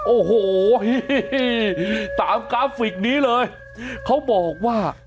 โอ้โหตามกราฟิกนี้เลยเขาบอกว่า